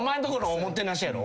お・も・て・な・しやろ？